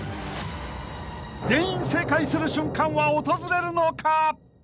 ［全員正解する瞬間は訪れるのか］